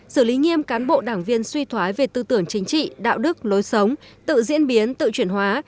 xử lý nghiêm cán bộ đảng viên suy thoái về tư tưởng chính trị đạo đức lối sống tự diễn biến tự chuyển hóa